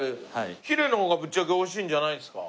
ヒレの方がぶっちゃけ美味しいんじゃないんですか？